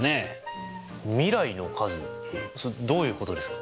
どういうことですか？